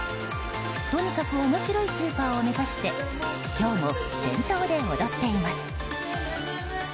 とにかく面白いスーパーを目指して今日も店頭で踊っています。